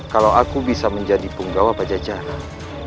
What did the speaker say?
kalau aku bisa menjadi punggawa pajajaran